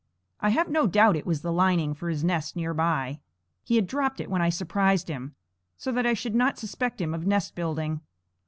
I have no doubt it was the lining for his nest near by. He had dropped it when I surprised him, so that I should not suspect him of nest building.